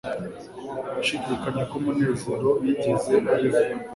ndashidikanya ko munezero yigeze abivuga